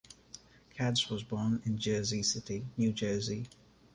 Katz was born in Jersey City, New Jersey.